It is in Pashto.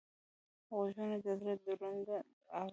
غوږونه د زړه دردونه اوري